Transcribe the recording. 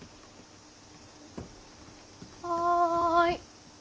はい。